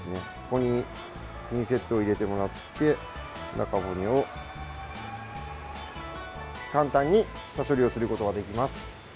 ここにピンセットを入れてもらって中骨も簡単に下処理をすることができます。